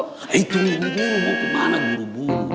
eh tunggu dulu mau kemana buru buru